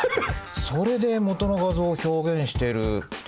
それで元の画像を表現しているっていう。